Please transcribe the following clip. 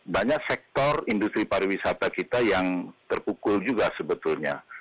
banyak sektor industri pariwisata kita yang terpukul juga sebetulnya